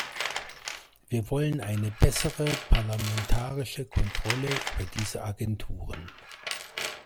Wir wollen eine bessere parlamentarische Kontrolle über diese Agenturen.